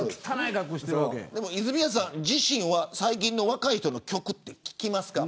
泉谷さん自身は最近の若い人の曲って聞きますか。